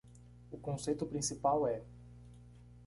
O conceito principal é